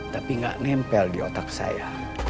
tapi nggak nempel di otak saya